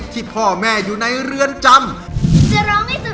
ที่พ่อแม่อยู่ในเรือนจำจะร้องให้สุดทำจะร้องให้สุดแขน